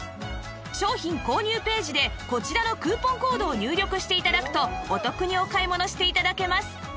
商品購入ページでこちらのクーポンコードを入力して頂くとお得にお買い物して頂けます